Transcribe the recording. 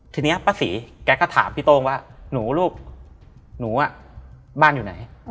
ทีนี้ป้าศรีแกก็ถามพี่โต้งว่าหนูลูกหนูบ้านอยู่ไหน